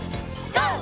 ＧＯ！